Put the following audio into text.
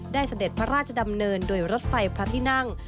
เสด็จพระราชดำเนินโดยรถไฟพระที่นั่ง